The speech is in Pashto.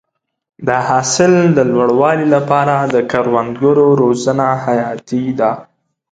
د حاصل د لوړوالي لپاره د کروندګرو روزنه حیاتي ده.